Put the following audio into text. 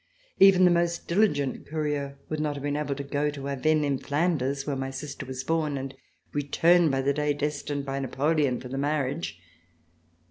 Even the most diligent courier would not have been able to go to Avesnes in Flanders, where my sister was born, and return by the day destined by Napoleon for the marriage.